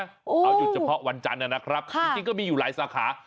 เอาหยุดเฉพาะวันจันทร์นะครับจริงก็มีอยู่หลายสาขา